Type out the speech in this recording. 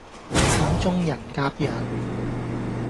始終人夾人